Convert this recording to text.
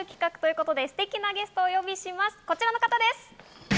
こちらの方です。